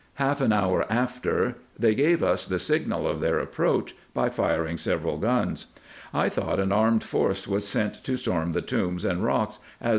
Half an hour after they gave us the signal of their approach, by firing several guns. I thought an armed force was sent to storm the tombs and rocks, as IN EGYPT, NUBIA, &c.